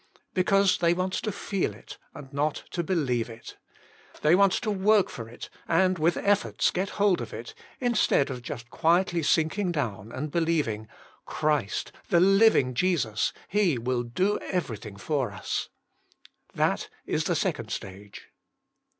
Because they want to feel it and not to believe it. They want to work for it, and with efforts get hold of it, instead of just quietly sinking down and believing, *< Christ, the living Jesus, He will do everything for us." That is the second stage.